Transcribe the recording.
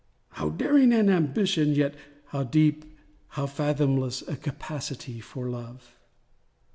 How daring an ambition; yet how deep— How fathomless a capacity for love!